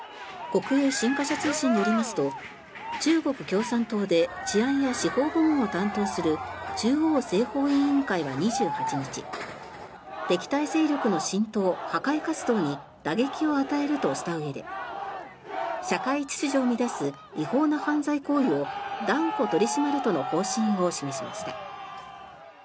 国営新華社通信によりますと中国共産党で治安や司法部門を担当する中央政法委員会は２８日敵対勢力の浸透、破壊活動に打撃を与えるとしたうえで社会秩序を乱す違法な犯罪行為を断固取り締まるとの方針を示しました。